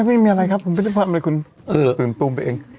ไม่มีอะไรครับคุณตื่นตูมไปเอง